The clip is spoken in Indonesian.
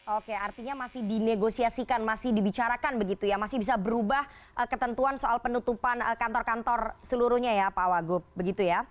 oke artinya masih dinegosiasikan masih dibicarakan begitu ya masih bisa berubah ketentuan soal penutupan kantor kantor seluruhnya ya pak wagub begitu ya